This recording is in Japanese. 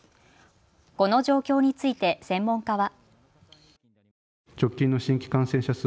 この状況について専門家は。